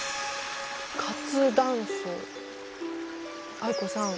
藍子さん